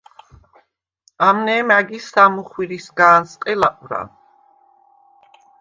ამნე̄მ ა̈გის სამ მუხვირისგ’ა̄ნსყე ლაყვრა.